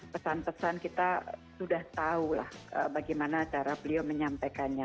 pesan pesan kita sudah tahulah bagaimana cara beliau menyampaikannya